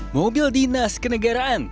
mobil dinas kenegaraan